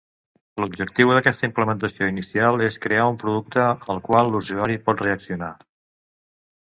L'objectiu d'aquesta implementació inicial és crear un producte al qual l'usuari pot reaccionar.